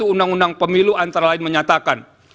undang undang pemilu antara lain menyatakan